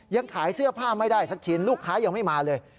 ยังขายเสื้อผ้าไม่ได้สักชิ้นลูกค้ายังไม่มาเลย